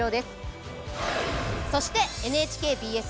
そしてＮＨＫＢＳ